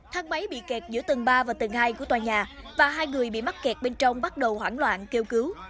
thang máy bị kẹt giữa tầng ba và tầng hai của tòa nhà và hai người bị mắc kẹt bên trong bắt đầu hoảng loạn kêu cứu